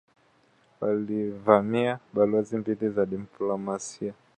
Walivamia balozi mbili za kidiplomasia